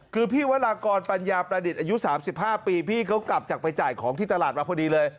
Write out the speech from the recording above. คือพี่วรากรปัญญาประดิษฐ์อายุ๓๕ปีพี่เขากลับจากไปจ่ายของที่ตลาดมาพอดีเลย